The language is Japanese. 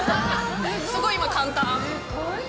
すごい今簡単。